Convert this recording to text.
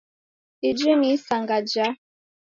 Iji ni isanga ja?